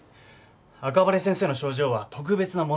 赤羽先生の症状は特別なものじゃない。